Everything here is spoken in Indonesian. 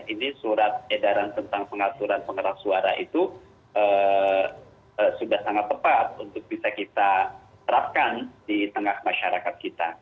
ini surat edaran tentang pengaturan pengeras suara itu sudah sangat tepat untuk bisa kita terapkan di tengah masyarakat kita